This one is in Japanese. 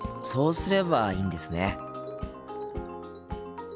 そうすればいいんですね。